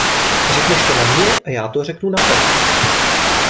Řekneš to na mě a já to řeknu na tebe!